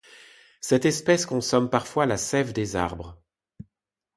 Cette espèce consomme parfois la sève des arbres.